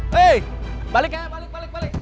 hei balik aja balik balik